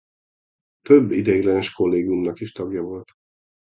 Több ideiglenes Kollégiumnak is tagja volt.